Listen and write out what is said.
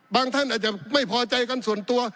ท่านอาจจะไม่พอใจกันส่วนตัว